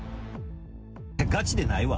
ガチでないわ。